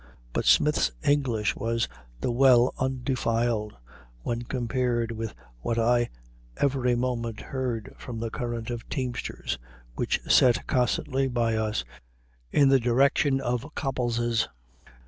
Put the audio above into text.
But Smith's English was the well undefiled when compared with what I every moment heard from the current of teamsters which set constantly by us in the direction of Copples's.